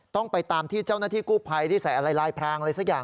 ต้องไปตามที่เจ้าหน้าที่กู้ภัยที่ใส่อะไรลายพรางอะไรสักอย่าง